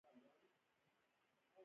تر کومه چې د ملي ګټو په اړه